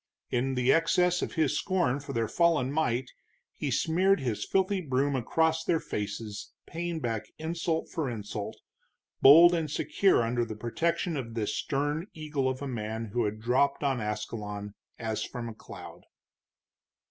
In the excess of his scorn for their fallen might he smeared his filthy broom across their faces, paying back insult for insult, bold and secure under the protection of this stern eagle of a man who had dropped on Ascalon as from a cloud.